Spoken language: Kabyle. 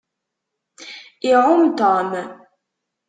Iɛumm Tom.